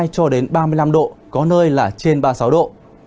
cho đến ba mươi năm độ có nơi là trên ba mươi sáu độ